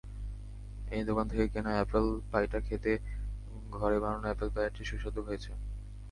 এই দোকান থেকে কেনা অ্যাপল পাইটা খেতে ঘরে বানানো অ্যাপল পাইয়ের চেয়ে সুস্বাদু হয়েছে!